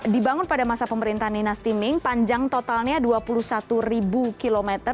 dibangun pada masa pemerintah nina stiming panjang totalnya dua puluh satu ribu kilometer